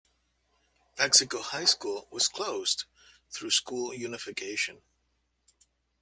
Paxico High School was closed through school unification.